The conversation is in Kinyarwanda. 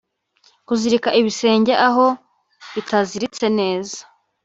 kuzirika ibisenge aho bitaziritse neza